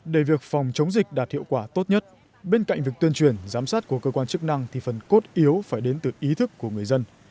để việc phòng chống dịch đạt hiệu quả tốt nhất bên cạnh việc tuyên truyền giám sát của cơ quan chức năng thì phần cốt yếu phải đến từ ý thức của người dân